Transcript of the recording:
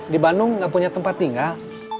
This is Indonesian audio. di bandung nggak punya tempat tinggal